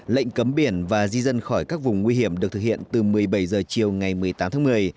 lệnh cấm biển và di dân khỏi các vùng nguy hiểm được thực hiện từ một mươi bảy h chiều ngày một mươi tám tháng một mươi